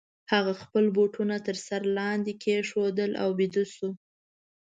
هغه خپل بوټونه تر سر لاندي کښېښودل او بیده سو.